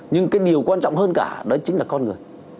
nhưng cái điều quan trọng hơn cả đó chính là con người